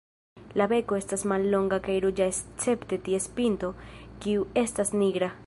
La beko estas mallonga kaj ruĝa escepte ties pinto kiu estas nigra.